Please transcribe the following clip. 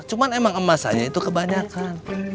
cuman emang emas aja itu kebanyakan